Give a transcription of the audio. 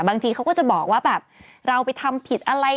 บางทีเขาก็จะบอกว่าแบบเราไปทำผิดอะไร